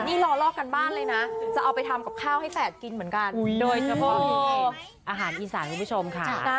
นี่รอลอกกันบ้านเลยนะจะเอาไปทำกับข้าวให้แฝดกินเหมือนกันโดยเฉพาะอาหารอีสานคุณผู้ชมค่ะ